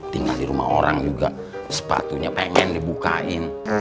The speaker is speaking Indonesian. tinggal di rumah orang juga sepatunya pengen dibukain